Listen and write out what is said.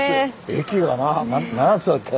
駅がな７つだっけ？